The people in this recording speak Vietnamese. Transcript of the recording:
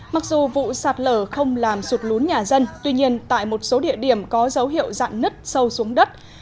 mặc dù vụ sạt lở không làm sụt lún nhà dân tuy nhiên tại một số địa điểm có dấu hiệu dạn nứt sâu xuống đất